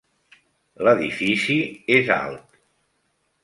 L'edifici és alt.